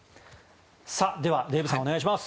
では、デーブさんお願いします。